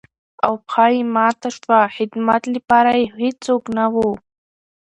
او پښه يې ماته شوه ،خدمت لپاره يې هېڅوک نه وو.